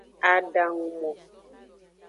Adangumo.